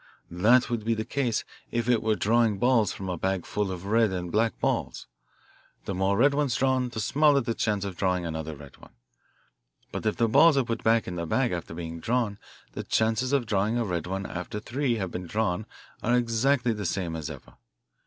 That would be the case if it were drawing balls from a bag full of red and black balls the more red ones drawn the smaller the chance of drawing another red one. But if the balls are put back in the bag after being drawn the chances of drawing a red one after three have been drawn are exactly the same as ever.